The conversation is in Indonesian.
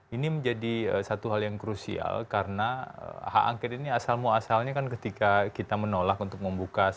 ini menjadi satu hal yang crucial karena hak angker ini asal muasalnya kan ketika kita menolak untuk membuka salah satu buku perspektif